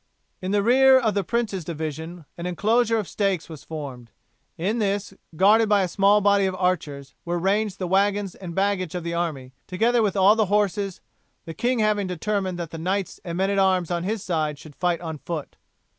In the rear of the Prince's division an enclosure of stakes was formed; in this, guarded by a small body of archers, were ranged the wagons and baggage of the army, together with all the horses, the king having determined that the knights and men at arms on his side should fight on foot.